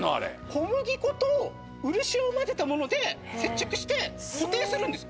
小麦粉と漆を混ぜたもので接着して固定するんです。